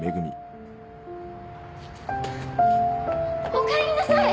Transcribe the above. おかえりなさい！